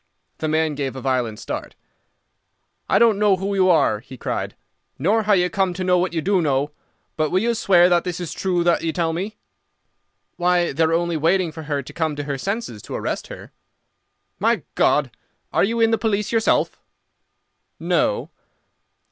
The man gave a violent start. "I don't know who you are," he cried, "nor how you come to know what you do know, but will you swear that this is true that you tell me?" "Why, they are only waiting for her to come to her senses to arrest her." "My God! Are you in the police yourself?" "No."